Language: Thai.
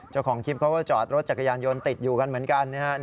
เจ้าของคลิปเขาก็จอดรถจักรยานยนต์ติดอยู่กันเหมือนกันนะครับ